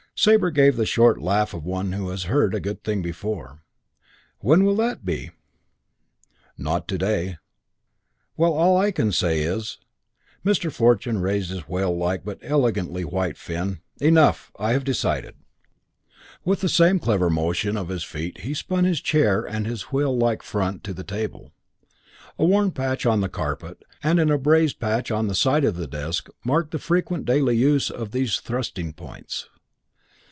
Sabre gave the short laugh of one who has heard a good thing before. "When will that be?" "Not to day." "Well, all I can say is " Mr. Fortune raised a whale like but elegantly white fin. "Enough, I have decided." With the same clever motion of his feet he spun his chair and his whale like front to the table. A worn patch on the carpet and an abraised patch on the side of the desk marked the frequent daily use of these thrusting points.